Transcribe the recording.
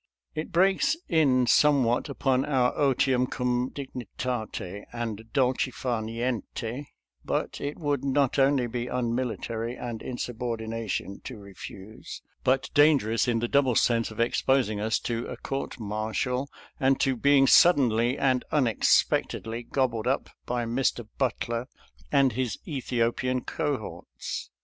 It breaks in somewhat upon our otium cum dignitate and dolce far niente, but it would not only be unmilitary and insubordination to refuse, but dangerous in the double sense of exposing us to a court martial and to being suddenly and unexpectedly gobbled up by Mr. Butler and his Ethiopian cohorts.